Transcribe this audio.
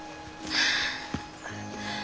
はあ。